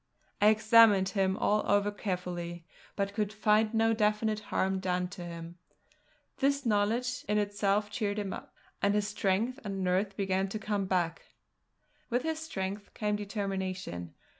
I examined him all over carefully, but could find no definite harm done to him. This knowledge in itself cheered him up, and his strength and nerve began to come back; with his strength came determination.